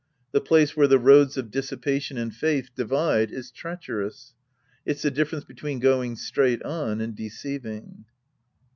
The place where the roads of dissipation and faith divide is treacherous. It's the difference between going straight on and deceiving.